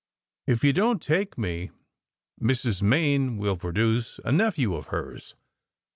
"If you don t take me, Mrs. Main will produce a nephew of hers.